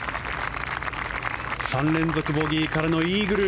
３連続ボギーからのイーグル。